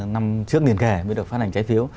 năm trước liền kề mới được phát hành trái phiếu